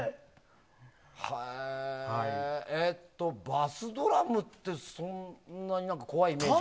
バスドラムってそんなに怖いイメージない。